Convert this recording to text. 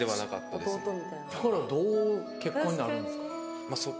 そこからどう結婚になるんですか？